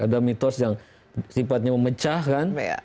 ada mitos yang sifatnya memecahkan